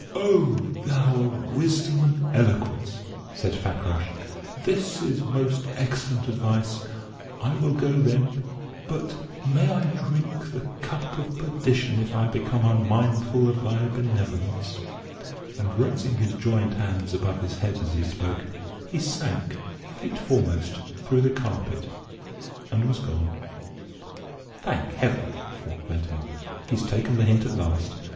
"O thou of wisdom and eloquence," said Fakrash, "this is most excellent advice. I will go, then; but may I drink the cup of perdition if I become unmindful of thy benevolence!" And, raising his joined hands above his head as he spoke, he sank, feet foremost, through the carpet and was gone. "Thank Heaven," thought Ventimore, "he's taken the hint at last.